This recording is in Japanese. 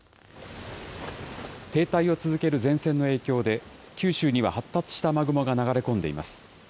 停滞を続ける前線の影響で、九州には発達した雨雲が流れ込んでいます。